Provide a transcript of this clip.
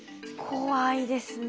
怖いですね。